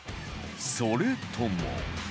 それとも